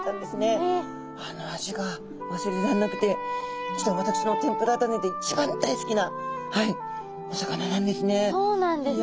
あの味が忘れらんなくて実は私の天ぷら種で一番大好きなお魚なんですね。